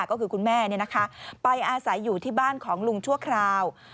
ก็คือคุณแม่ไปอาศัยอยู่ที่บ้านของลุงชั่วคราว